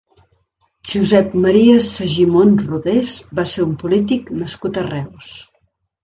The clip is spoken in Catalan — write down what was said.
Josep Maria Segimon Rodés va ser un polític nascut a Reus.